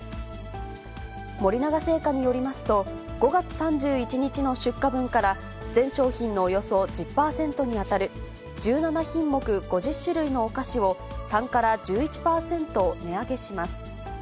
森永製菓によりますと、５月３１日の出荷分から、全商品のおよそ１０％に当たる、１７品目、５０種類のお菓子を、３から１１％値上げします。